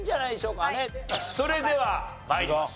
それでは参りましょう。